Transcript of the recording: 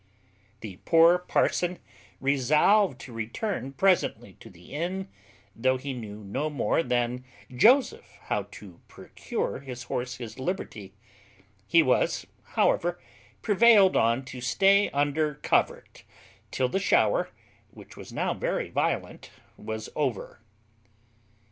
The poor parson resolved to return presently to the inn, though he knew no more than Joseph how to procure his horse his liberty; he was, however, prevailed on to stay under covert, till the shower, which was now very violent, was over.